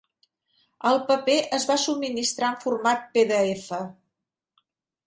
El paper es va subministrar en format pdf.